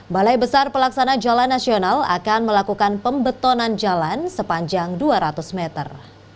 balai besar pelaksana jalan nasional akan melakukan pembetonan jalan sepanjang dua ratus meter